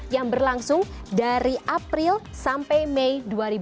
yang berlangsung dari april sampai mei dua ribu dua puluh